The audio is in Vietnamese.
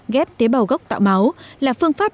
ghép tế bào gốc tạo máu là phương pháp